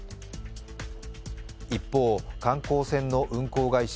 一方、観光船の運航会社